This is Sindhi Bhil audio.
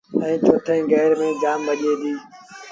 ائيٚݩ چوٿيٚن گير ميݩ جآم تيز ڀڄي دو۔